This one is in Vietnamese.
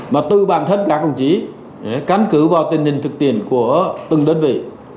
mà từ bản thân các đồng chí cán cứ vào tình hình thực tiền của từng đơn vị